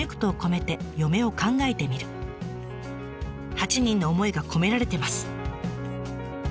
８人の思いが込められてます。